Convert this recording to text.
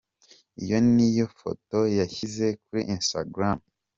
Iyo ni yo foto yashyize kuri Instagram.